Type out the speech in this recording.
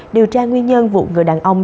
điều tra nguyên nhân vụ người đàn ông